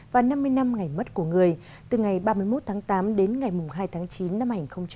và năm mươi năm ngày mất của người từ ngày ba mươi một tháng tám đến ngày hai tháng chín năm hai nghìn một mươi chín